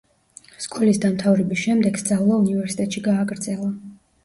სკოლის დამთავრების შემდეგ სწავლა უნივერსიტეტში გააგრძელა.